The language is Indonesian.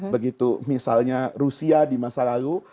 begitu misalnya rusia di masa lalu